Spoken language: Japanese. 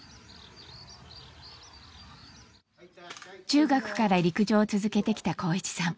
中学から陸上を続けてきた航一さん。